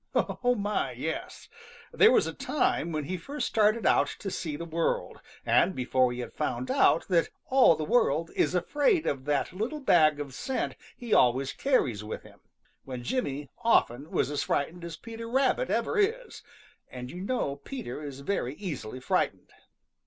Oh, my, yes! There was a time when he first started out to see the world, and before he had found out that all the world is afraid of that little bag of scent he always carries with him, when Jimmy often was as frightened as Peter Rabbit ever is, and you know Peter is very easily frightened.